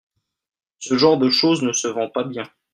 Ce genre de choses ne se vend pas bien.